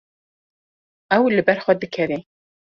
Ew li ber xwe dikeve.